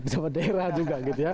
jabat daerah juga